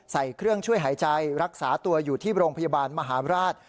ใส่เครื่องช่วยหายใจรักษาตัวอยู่ที่โรงพยาบาลมหาราช